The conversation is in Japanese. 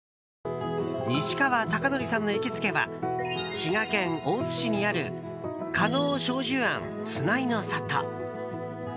西川貴教さんの行きつけは滋賀県大津市にある叶匠壽庵寿長生の郷。